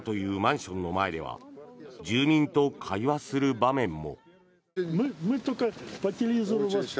新築されたというマンションの前では住人と会話する場面も。